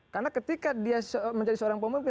karena ketika dia menjadi seorang pemimpin